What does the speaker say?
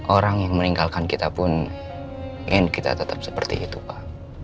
orang yang meninggalkan kita pun in kita tetap seperti itu pak